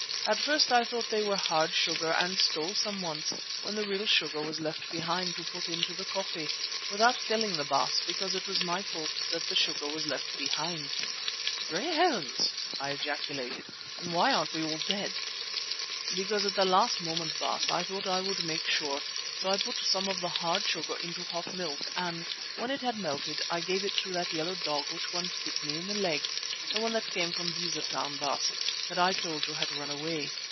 At first I thought they were hard sugar and stole some once, when the real sugar was left behind, to put into the coffee—without telling the Baas, because it was my fault that the sugar was left behind." "Great Heavens!" I ejaculated, "then why aren't we all dead?" "Because at the last moment, Baas, I thought I would make sure, so I put some of the hard sugar into hot milk and, when it had melted, I gave it to that yellow dog which once bit me in the leg, the one that came from Beza Town, Baas, that I told you had run away.